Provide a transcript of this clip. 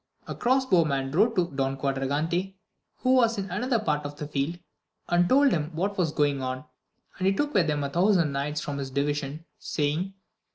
A cross bowman rode to Don Quadragante, who was in another part of the field, and told him what was going on ; and he took with him a thousand knights from his division, saying.